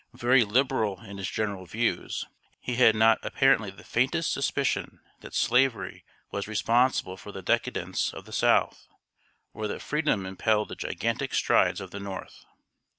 Very liberal in his general views, he had not apparently the faintest suspicion that Slavery was responsible for the decadence of the South, or that Freedom impelled the gigantic strides of the North.